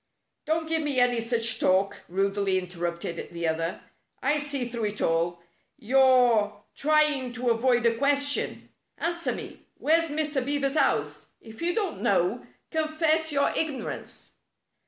" Don't give me any such talk," rudely inter rupted the other. " I see through it all. You're trying to avoid the question. Answer me! Where's Mr. Beaver's house? If you don't know, confess your ignorance."